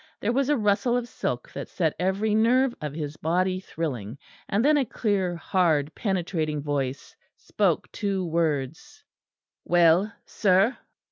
There was a rustle of silk that set every nerve of his body thrilling, and then a clear hard penetrating voice spoke two words. "Well, sir?"